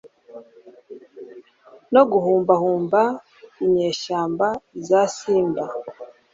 no guhumbahumba inyeshyamba za Simba